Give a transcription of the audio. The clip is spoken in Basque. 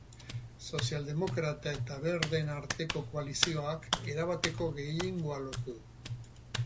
Sozialdemokrata eta berdeen arteko koalizioak erabateko gehiengoa lortu du.